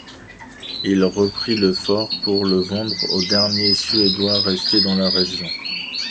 Il reprit le fort, pour le vendre aux derniers Suédois restés dans la région.